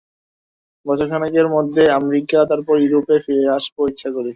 বছরখানেকের মধ্যে আমেরিকা, তারপর ইউরোপে ফিরে আসব, ইচ্ছা করি।